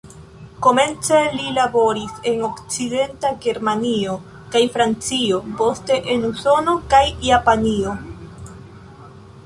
Komence li laboris en Okcidenta Germanio kaj Francio, poste en Usono kaj Japanio.